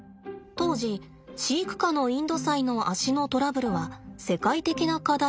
当時飼育下のインドサイの足のトラブルは世界的な課題でした。